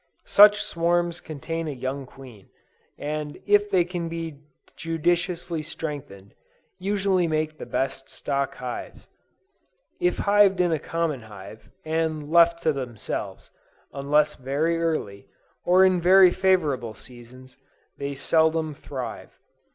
Such swarms contain a young queen, and if they can be judiciously strengthened, usually make the best stock hives. If hived in a common hive, and left to themselves, unless very early, or in very favorable seasons, they seldom thrive.